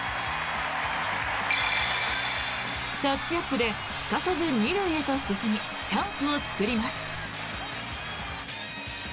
タッチアップですかさず２塁へと進みチャンスを作ります。